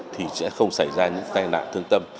thì sẽ không xảy ra những tai nạn thương tâm